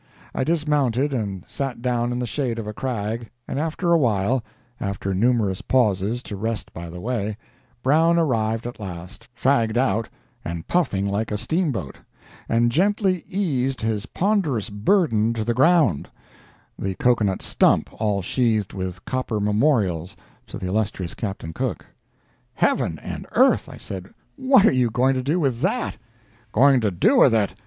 I dismounted and sat down in the shade of a crag, and after a while—after numerous pauses to rest by the way—Brown arrived at last, fagged out, and puffing like a steamboat, and gently eased his ponderous burden to the ground—the cocoa nut stump all sheathed with copper memorials to the illustrious Captain Cook. "Heavens and earth!" I said, "what are you going to do with that?" "Going to do with it!